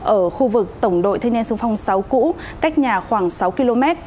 ở khu vực tổng đội thế niên xuân phong sáu cũ cách nhà khoảng sáu km